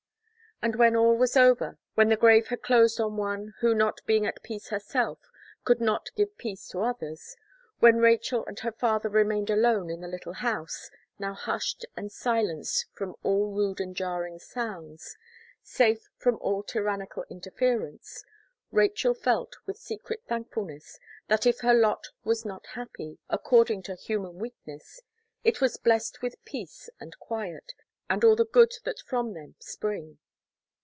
And when all was over; when the grave had closed on one, who not being at peace herself, could not give peace to others, when Rachel and her father remained alone in the little house, now hushed and silenced from all rude and jarring sounds, safe from all tyrannical interference, Rachel felt, with secret thankfulness, that if her lot was not happy, according to human weakness, it was blest with peace and quiet, and all the good that from them spring.